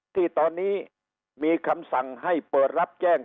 ที่ตอนนี้มีคำสั่งให้เปิดรับแจ้ง